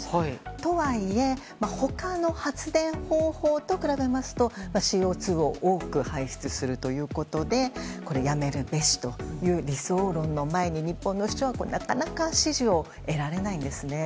とはいえ他の発電方法と比べるとＣＯ２を多く排出するということでやめるべしという理想論の前に日本の主張はなかなか支持を得られないんですね。